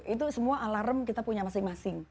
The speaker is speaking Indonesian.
itu semua alarm kita punya masing masing